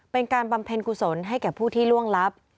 เป็นการปรำเพ็ญกุศลให้แก่ผู้ที่ล่วงลับ